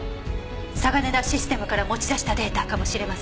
サガネダ・システムから持ち出したデータかもしれません。